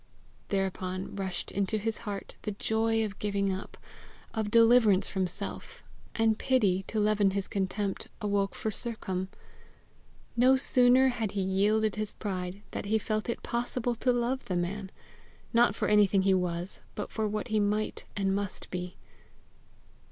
Thereupon rushed into his heart the joy of giving up, of deliverance from self; and pity, to leaven his contempt, awoke for Sercombe. No sooner had he yielded his pride, than he felt it possible to love the man not for anything he was, but for what he might and must be.